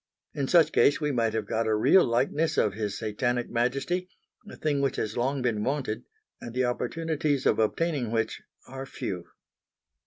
In such case we might have got a real likeness of His Satanic Majesty a thing which has long been wanted and the opportunities of obtaining which are few.